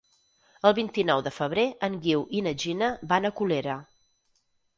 El vint-i-nou de febrer en Guiu i na Gina van a Colera.